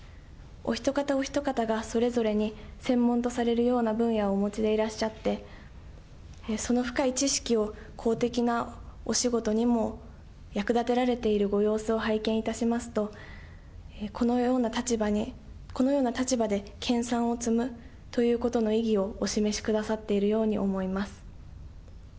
お一方お一方が、それぞれに、専門とされるような分野をお持ちでいらっしゃって、その深い知識を公的なお仕事にも役立てられているご様子を拝見いたしますと、このような立場で研さんを積むということの意義をお示しくださっているように思います。